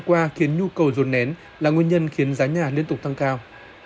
qua khiến nhu cầu ruột nén là nguyên nhân khiến giá nhà liên tục tăng cao